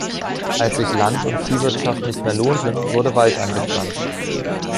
Als sich Land- und Viehwirtschaft nicht mehr lohnten, wurde Wald angepflanzt.